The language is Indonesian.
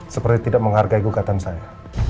seperti tidak menghargai gugatan saya